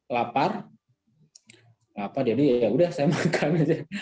lapar jadi yaudah saya makan